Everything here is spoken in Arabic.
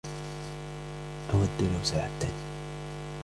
أود لو ساعدتني.